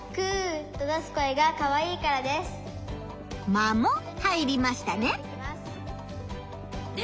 間も入りましたね。